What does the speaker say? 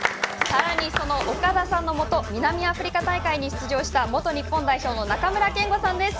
さらに、岡田さんのもと南アフリカ大会に出場した元日本代表の中村憲剛さんです。